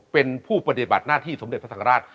เป็นผู้ปฏิบัติหน้าที่สมเด็จพระสังราช